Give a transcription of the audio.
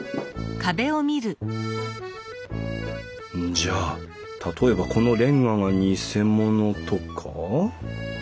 じゃあ例えばこのレンガが偽物とか？